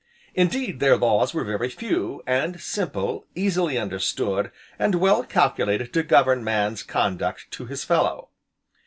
Indeed their laws were very few, and simple, easily understood, and well calculated to govern man's conduct to his fellow.